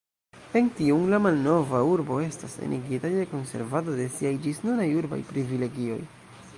En tiun la malnova urbo estas enigita je konservado de siaj ĝisnunaj urbaj privilegioj.